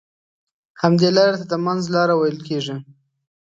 همدې لارې ته د منځ لاره ويل کېږي.